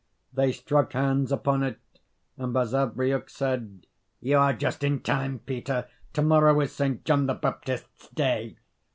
They struck hands upon it, and Basavriuk said, "You are just in time, Peter: to morrow is St. John the Baptist's day.